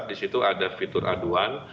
di situ ada fitur aduan